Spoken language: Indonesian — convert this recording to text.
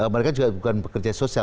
mereka juga bukan pekerja sosial